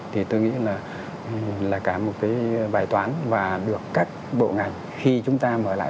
thì tôi nghĩ là cả một cái bài toán và được các bộ ngành khi chúng ta mở lại